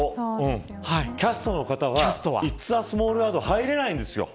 キャストの方はイッツアスモールワールド入れないんです。